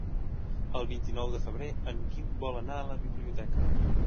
El vint-i-nou de febrer en Guim vol anar a la biblioteca.